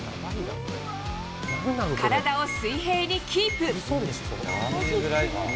体を水平にキープ。